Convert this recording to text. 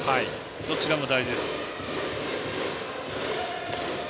どちらも大事です。